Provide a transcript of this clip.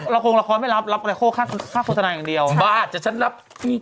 รครเราก็ไม่รับแล้วลับมาแล้วโฆษณาอย่างเดียวบ้าแต่ฉันรับ